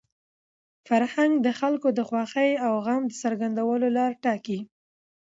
فرهنګ د خلکو د خوښۍ او غم د څرګندولو لاره ټاکي.